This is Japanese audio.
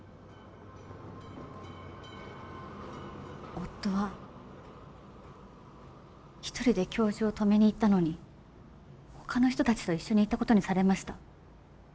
夫は一人で教授を止めに行ったのにほかの人たちと一緒に行ったことにされました。